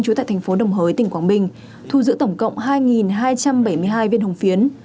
trú tại thành phố đồng hới tỉnh quảng bình thu giữ tổng cộng hai hai trăm bảy mươi hai viên hồng phiến